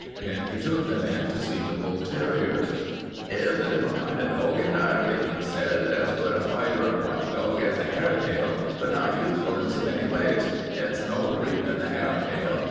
Then he took them in to see the bull terriers. "'Ere's a different kind of dog entirely," he said. "As good a fighter and watchdog as the Hairedale, but not useful in so many ways. It's an older breed than the Hairedale.